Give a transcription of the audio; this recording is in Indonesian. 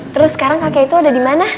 terus sekarang kakek itu udah dimana